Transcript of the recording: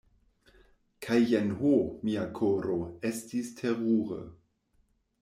Kaj jen ho, mia koro, estis terure.